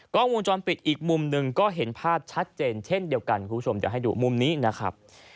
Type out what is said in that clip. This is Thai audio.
กล้องวงจรปิดอีกมุมหนึ่งก็เห็นภาพชัดเจนเช่นเดียวกันคุณผู้ชมเดี๋ยวให้ดูมุมนี้นะครับ